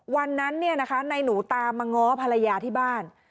วันนั้นนายหนูตามมาง้อภรรยาที่บ้าน